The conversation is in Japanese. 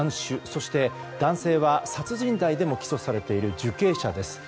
そして男性は、殺人罪でも起訴されている受刑者です。